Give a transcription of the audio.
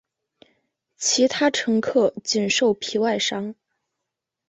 其他乘客仅受皮外伤。